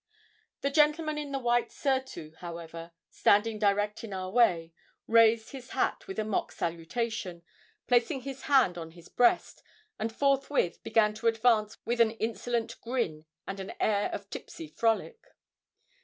The gentleman in the white surtout, however, standing direct in our way, raised his hat with a mock salutation, placing his hand on his breast, and forthwith began to advance with an insolent grin and an air of tipsy frolic.